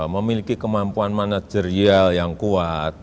memiliki kemampuan manajerial yang kuat